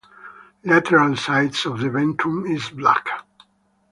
Lateral sides of the ventrum is black.